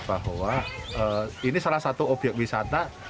bahwa ini salah satu obyek wisata